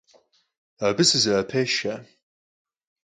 Абы сызэӏэпешэ.